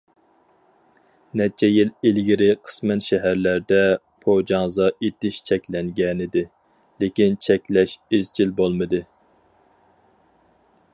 نەچچە يىل ئىلگىرى قىسمەن شەھەرلەردە پوجاڭزا ئېتىش چەكلەنگەنىدى، لېكىن چەكلەش ئىزچىل بولمىدى.